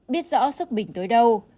biết rõ sức bình tới đâu